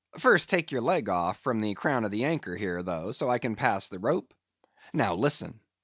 First take your leg off from the crown of the anchor here, though, so I can pass the rope; now listen.